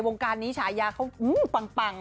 วงการนี้ฉายาเขาปัง